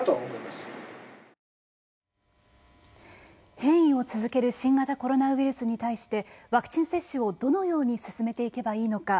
変異を続ける新型コロナウイルスに対してワクチン接種をどのように進めていけばいいのか。